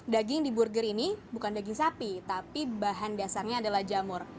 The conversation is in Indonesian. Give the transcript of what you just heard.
daging di burger ini bukan daging sapi tapi bahan dasarnya adalah jamur